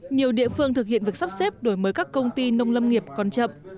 nhiều địa phương thực hiện việc sắp xếp đổi mới các công ty nông lâm nghiệp còn chậm